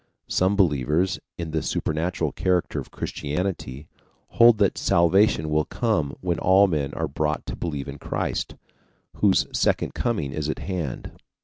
Some believers in the supernatural character of Christianity hold that salvation will come when all men are brought to believe in Christ, whose second coming is at hand.